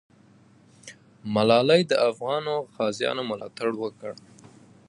ملالۍ د افغانو غازیو ملاتړ وکړ.